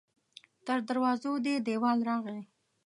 تر دروازو دې دیوال راغلی